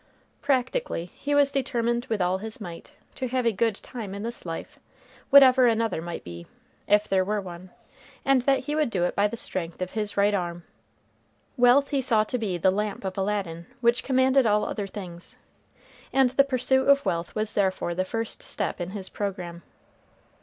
Practically, he was determined with all his might, to have a good time in this life, whatever another might be, if there were one; and that he would do it by the strength of his right arm. Wealth he saw to be the lamp of Aladdin, which commanded all other things. And the pursuit of wealth was therefore the first step in his programme.